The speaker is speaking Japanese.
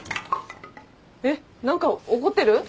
えっ何か怒ってる？